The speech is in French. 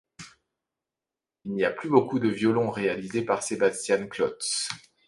Il n'y a plus beaucoup de violons réalisés par Sebastian Klotz.